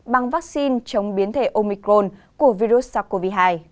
bằng vaccine chống biến thể omicron của virus sars cov hai